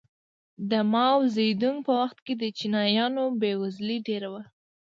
د ماوو زیدونګ په وخت کې د چینایانو بېوزلي ډېره وه.